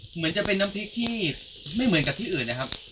เหมือนจะเป็นน้ำพริกที่ไม่เหมือนกับที่อื่นนะครับ